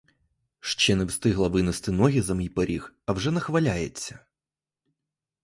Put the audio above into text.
Ще не встигла винести ноги за мій поріг, а вже нахваляється.